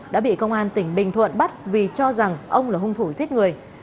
đã bị công an tỉnh bình thuận bắt vì cho rằng ông là hung thủ giết người